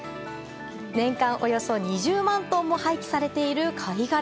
年間およそ２０万トンも廃棄されている貝殻。